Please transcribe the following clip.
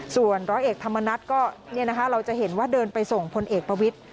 ส่วนร้อยเอกธรรมนัฐก็เราจะเห็นว่าเดินไปส่งพลเอกประวิทธิ